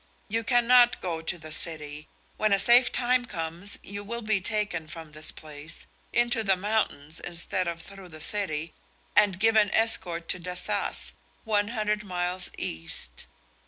You cannot go to the city. When a safe time comes, you will be taken from this place, into the mountains instead of through the city, and given escort to Dassas, one hundred miles east.